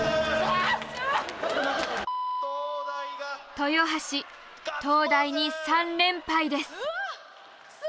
豊橋東大に３連敗です。